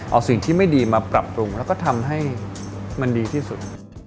เอาสิ่งที่ไม่ดีมาปรับปรุงแล้วก็ทำให้มันดีที่สุด